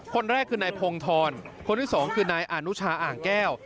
คนแรกคือนายพงธรคนที่สองคือนายอนุชาอ่างแก้ว